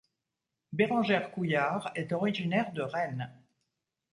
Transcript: Bérangère Couillard est originaire de Rennes.